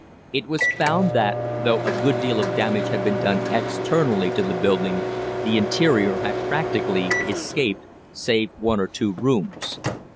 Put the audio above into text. It was found that, though a good deal of damage had been done externally to the building, the interior had practically escaped, save one or two rooms.